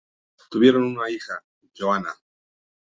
Tuvieron una hija, Joanna.